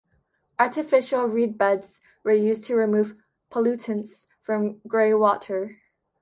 Artificial reed beds are used to remove pollutants from grey water.